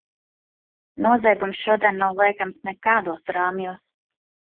Noziegums šodien nav liekams nekādos rāmjos.